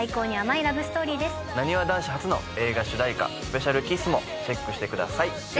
なにわ男子初の映画主題歌『ＳｐｅｃｉａｌＫｉｓｓ』もチェックしてください。